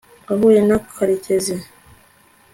wahuye na karekezi